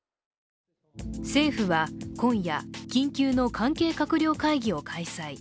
政府は今夜、緊急の関係閣僚会議を開催。